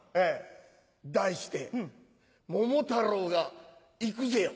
題して「桃太郎が行くぜよ」。